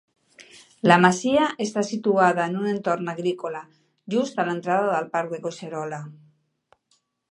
La masia està situada en un entorn agrícola, just a l'entrada del Parc de Collserola.